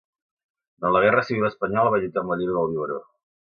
Durant la guerra civil espanyola va lluitar amb la lleva del biberó.